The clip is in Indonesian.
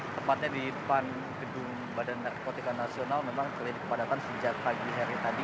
tempatnya di depan gedung badan narkotika nasional memang terlihat padatan sejak pagi hari tadi